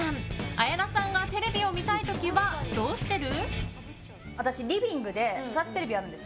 綾菜さんがテレビを見たい時はどうしてる？